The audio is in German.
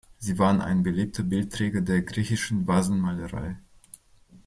Sie waren ein beliebter Bildträger der griechischen Vasenmalerei.